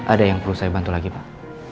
ada yang perlu saya bantu lagi pak